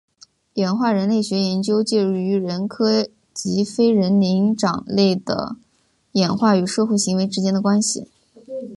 演化人类学研究介于人科及非人灵长类的演化与社会行为之间的关系。